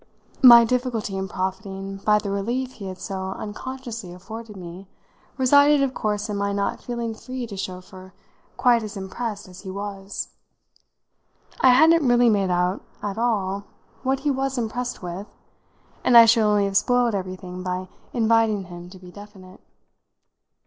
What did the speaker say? My difficulty in profiting by the relief he had so unconsciously afforded me resided of course in my not feeling free to show for quite as impressed as he was. I hadn't really made out at all what he was impressed with, and I should only have spoiled everything by inviting him to be definite.